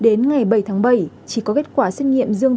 đến ngày bảy tháng bảy chỉ có kết quả xét nghiệm dương